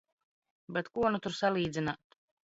Bet ko nu tur sal?dzin?t